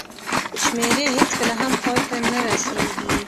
شمېرې هېڅکله هم پای ته نه رسېږي.